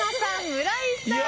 村井さん